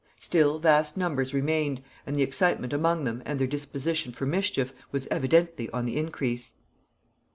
Still, vast numbers remained, and the excitement among them, and their disposition for mischief, was evidently on the increase.